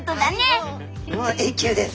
もう永久です。